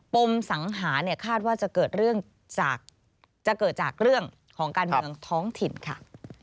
ปมสังหาคาดว่าจะเกิดจากเรื่องของการเมืองท้องถิ่นค่ะ